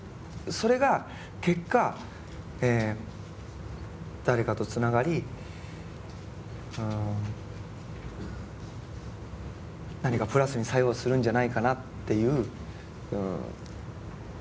それが結果誰かとつながりうん何かプラスに作用するんじゃないかなっていう感じでいます。